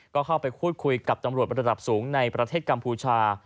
ก็เข้าไปพูดคุยกับตำรวจระดับสูงในประเทศกัมพูชา